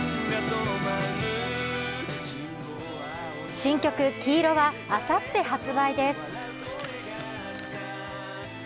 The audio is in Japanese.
新曲「黄色」はあさって発売です。